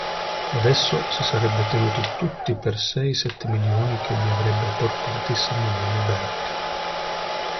Adesso, si sarebbe tenuti tutti per sé i sette milioni che gli avrebbe portati Samuele Berck.